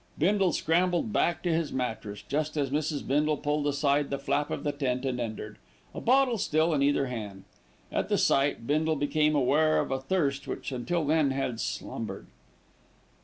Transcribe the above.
Bindle scrambled back to his mattress, just as Mrs. Bindle pulled aside the flap of the tent and entered, a bottle still in either hand. At the sight, Bindle became aware of a thirst which until then had slumbered.